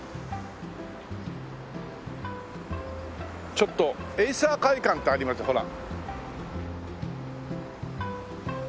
ちょっとエイサー会館ってありますほら。